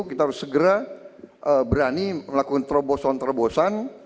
kita harus segera berani melakukan terobosan terobosan